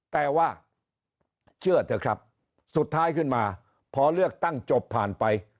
แต่ว่าเชื่อเถอะครับสุดท้ายขึ้นมาพอเลือกตั้งจบผ่านไป